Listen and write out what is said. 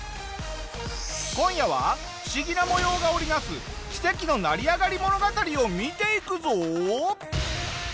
今夜は不思議な模様が織り成す奇跡の成り上がり物語を見ていくぞ！